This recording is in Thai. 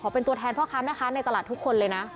เป็นตัวแทนพ่อค้าแม่ค้าในตลาดทุกคนเลยนะ